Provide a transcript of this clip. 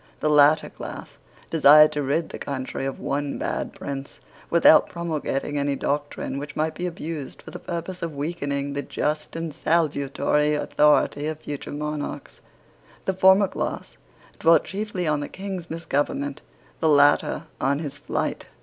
The latter class desired to rid the country of one bad prince, without promulgating any doctrine which might be abused for the purpose of weakening the just and salutary authority of future monarchs. The former class dwelt chiefly on the King's misgovernment; the latter on his flight.